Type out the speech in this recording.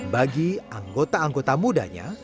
bagi anggota anggota mudanya